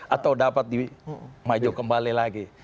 atau dapat di maju kembali lagi